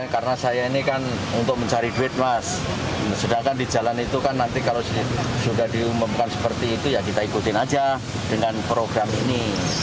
karena saya ini kan untuk mencari duit mas sedangkan di jalan itu kan nanti kalau sudah diumumkan seperti itu ya kita ikutin aja dengan program ini